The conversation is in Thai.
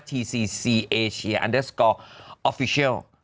ทีซีซีเอเชียอันเดอร์สกอร์ออฟฟิเชียล